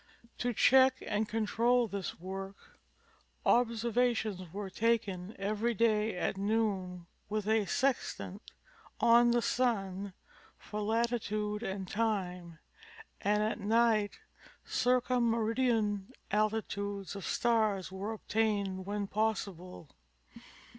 To check and control this work, observations were taken every day at noon with a sextant, on the sun, for latitude and time, and at night circum meridian altitudes of stars were obtained when possible.